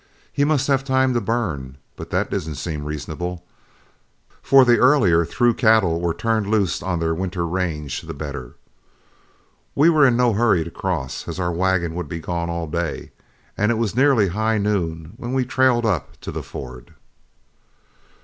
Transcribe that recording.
He must have time to burn, but that didn't seem reasonable, for the earlier through cattle were turned loose on their winter range the better. We were in no hurry to cross, as our wagon would be gone all day, and it was nearly high noon when we trailed up to the ford.